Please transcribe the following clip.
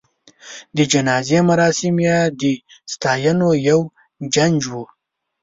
د جنازې مراسم یې د ستاینو یو جنج و.